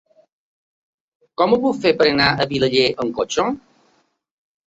Com ho puc fer per anar a Vilaller amb cotxe?